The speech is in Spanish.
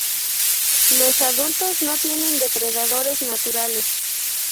Los adultos no tienen depredadores naturales.